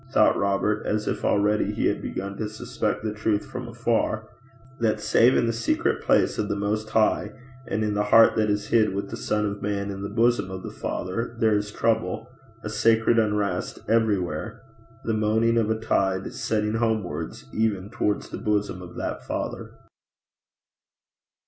thought Robert, as if already he had begun to suspect the truth from afar that save in the secret place of the Most High, and in the heart that is hid with the Son of Man in the bosom of the Father, there is trouble a sacred unrest everywhere the moaning of a tide setting homewards, even towards the bosom of that Father.